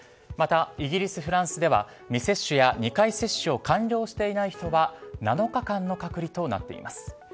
また、イギリス、フランスでは未接種や２回接種を完了していない人は７日間の隔離となっています。